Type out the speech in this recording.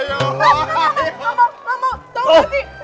emang emang tau gak sih